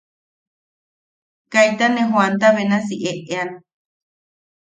Kaita ne jooanta benasi eʼean.